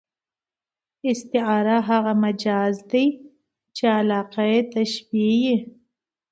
استعاره هغه مجاز دئ، چي علاقه ئې تشبېه يي.